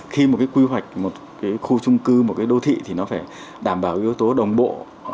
khi một cái quy hoạch một cái khu trung cư một cái đô thị thì nó phải đảm bảo yếu tố đồng bộ